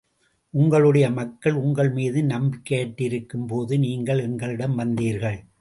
உங்களுடைய மக்கள் உங்கள் மீது நம்பிக்கையற்று இருக்கும் போது, நீங்கள் எங்களிடம் வந்தீர்கள்.